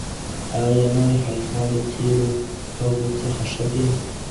ایا نوي حاکمان د تېرو هغو څخه ښه دي؟